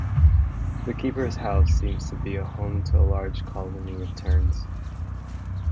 The keeper's house seems to be home to a large colony of terns.